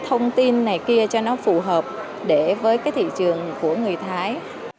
thông tin này kia cho nó phù hợp để với cái thị trường của người thái